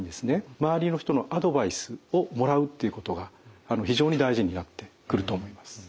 周りの人のアドバイスをもらうっていうことが非常に大事になってくると思います。